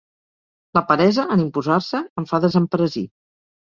La peresa, en imposar-se, em fa desemperesir.